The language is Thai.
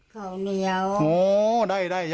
เขาเหนียว